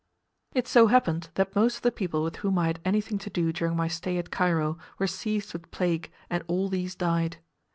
It so happened that most of the people with whom I had anything to do during my stay at Cairo were seized with plague, and all these died.